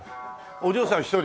お嬢さん一人？